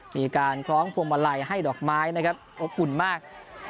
มีการคล้องพวงมาลัยให้ดอกไม้นะครับอบอุ่นมาก